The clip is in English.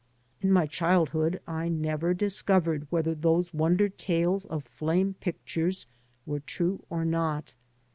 In my childhood I never discovered whether those wonder tales of flame pictures were true or not.